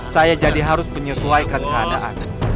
saya jadi harus menyesuaikan keadaan